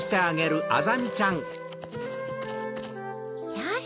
よし！